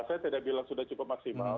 saya tidak bilang sudah cukup maksimal